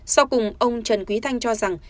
sau cùng ông trần quý thanh cho rằng